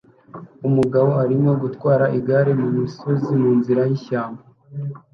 Umugabo arimo gutwara igare kumusozi munzira yishyamba